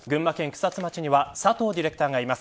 草津町には佐藤ディレクターがいます。